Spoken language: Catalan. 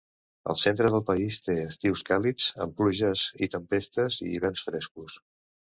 El centre del país té estius càlids amb pluges i tempestes i hiverns frescos.